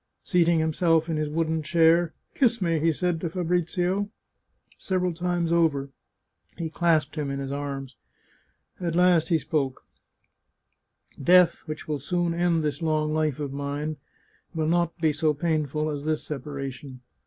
Seating himself in his wooden chair, " Kiss me," he said to Fabrizio. Several times over he clasped him in his arms. At last he spoke :" Death, which will soon end this long life of mine, will not be so painful as this separation.